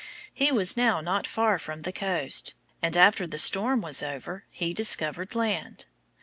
He was now not far from the coast, and after the storm was over he discovered land.